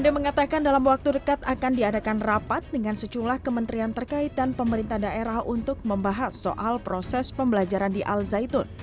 dia mengatakan dalam waktu dekat akan diadakan rapat dengan sejumlah kementerian terkait dan pemerintah daerah untuk membahas soal proses pembelajaran di al zaitun